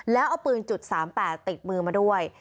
แล้วเอาปืน๓๘ติดมือมาด้วย